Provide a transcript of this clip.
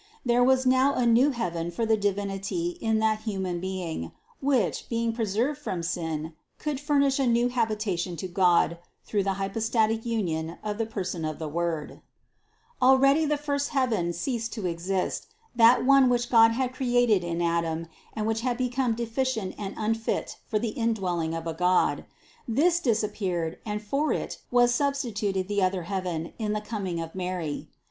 There was now a new heaven for the Divinity in that human being, which, being pre served from sin, could furnish a new habitation to God through the hypostatic union of the person of the Word. THE CONCEPTION 201 Already the first heaven ceased to exist, that one which God had created in Adam and which had become de ficient and unfit for the indwelling of a God. This dis appeared and for it was substituted the other heaven in the coming of Mary.